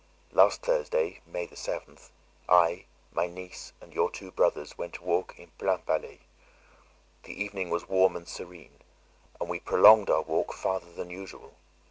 "Last Thursday (May 7th), I, my niece, and your two brothers, went to walk in Plainpalais. The evening was warm and serene, and we prolonged our walk farther than usual.